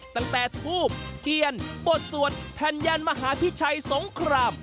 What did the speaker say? ตั้งแต่ทูบเทียนบทสวดแผ่นยันมหาพิชัยสงคราม